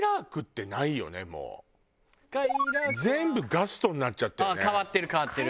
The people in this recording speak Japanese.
全部ガストになっちゃってるね。